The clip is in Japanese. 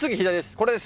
これです